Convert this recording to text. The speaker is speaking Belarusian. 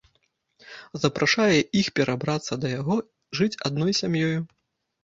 Запрашае іх перабрацца да яго, жыць адною сям'ёю.